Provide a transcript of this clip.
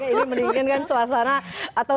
ini mendingin kan suasana atau